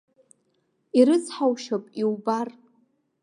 Ирыцҳаушьап иубар!